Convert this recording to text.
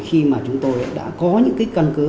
khi mà chúng tôi đã có những cái căn cứ